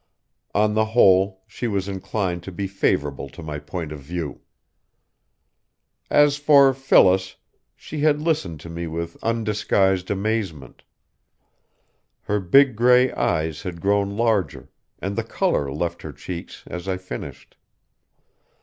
On the whole she was inclined to be favorable to my point of view. As for Phyllis, she had listened to me with undisguised amazement. Her big gray eyes had grown larger, and the color left her cheeks as I finished.